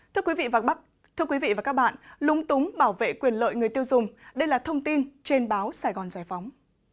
thưa quý vị và các bạn lúng túng bảo vệ quyền lợi người tiêu dùng đây là thông tin trên báo sài gòn giải phóng